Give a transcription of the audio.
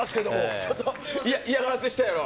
ちょっと嫌がらせしたやろ？